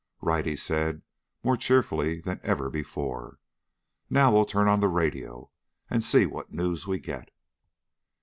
"Right!" he said, more cheerfully than ever before. "Now we'll turn on the radio and see what news we get."